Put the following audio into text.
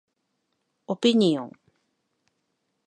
オピニオン